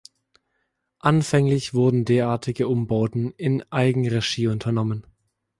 Anfänglich wurden derartige Umbauten in Eigenregie unternommen.